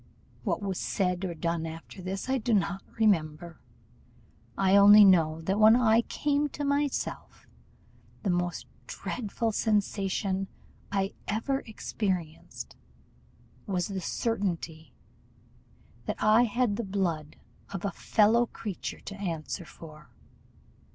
What was said or done after this I do not remember; I only know that when I came to myself, the most dreadful sensation I ever experienced was the certainty that I had the blood of a fellow creature to answer for.